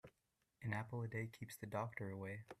An apple a day keeps the doctor away.